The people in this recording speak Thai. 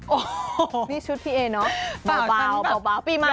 โอ้โหนี่ชุดพี่เอเนอะเบาปีใหม่